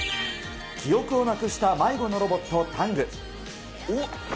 記憶をなくした迷子のロボッおっ。